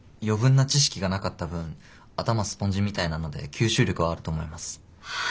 余分な知識がなかった分頭スポンジみたいなので吸収力はあると思います。